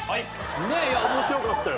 面白かったよ。